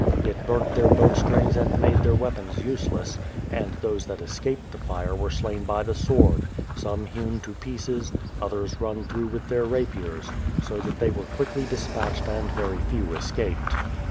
It burnt their bowstrings and made their weapons useless, and those that escaped the fire were slain by the sword, — some hewn to pieces, others run through with their rapiers, so that they were quickly dispatched and very few escaped.